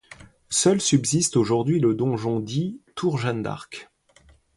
Seul subsiste aujourd'hui le donjon dit tour Jeanne d'Arc.